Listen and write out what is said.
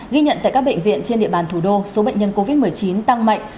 ghi nhận tại các bệnh viện trên địa bàn thủ đô số bệnh nhân covid một mươi chín tăng mạnh